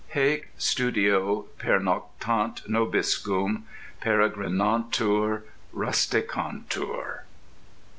Haec studio, pernoctant nobiscum, peregrinantur, rusticantur.